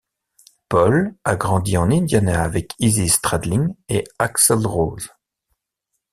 Paul a grandi en Indiana avec Izzy Stradlin et Axl Rose.